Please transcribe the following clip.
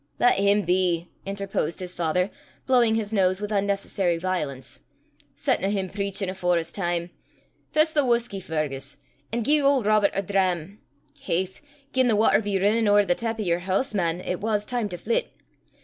"Lat him be," interposed his father, blowing his nose with unnecessary violence; "setna him preachin' afore 's time. Fess the whusky, Fergus, an' gie auld Robert a dram. Haith! gien the watter be rinnin' ower the tap o' yer hoose, man, it was time to flit.